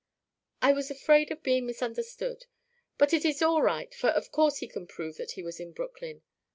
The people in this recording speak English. "I was afraid of being misunderstood. But it is all right, for of course he can prove that he was in Brooklyn.